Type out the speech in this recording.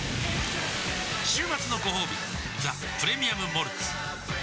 週末のごほうび「ザ・プレミアム・モルツ」